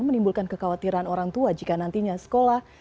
menimbulkan kekhawatiran orang tua jika nantinya sekolah